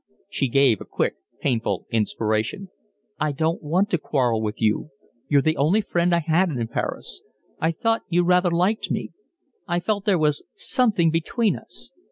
She gave a quick, painful inspiration. "I don't want to quarrel with you. You're the only friend I had in Paris. I thought you rather liked me. I felt there was something between us.